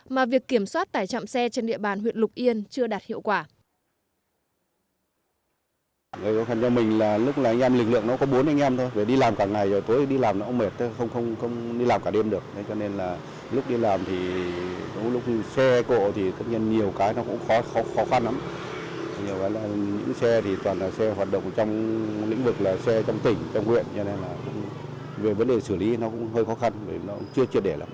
mà việc kiểm soát tải trọng xe trên địa bàn huyện lục yên chưa đạt hiệu quả